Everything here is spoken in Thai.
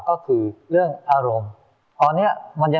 ช่วยฝังดินหรือกว่า